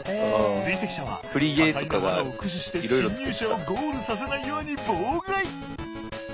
追跡者は多彩な罠を駆使して侵入者をゴールさせないように妨害。